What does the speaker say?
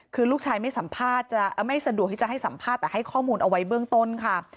คือลูกชายไม่สัมภาษณ์จะไม่สะดวกที่จะให้สัมภาษณ์แต่ให้ข้อมูลเอาไว้เบื้องต้นค่ะ